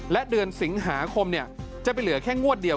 และเดือนสิงหาคมจะไปเหลือแค่งวดเดียว